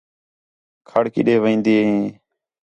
کھڑ کِݙے وین٘دی ہیں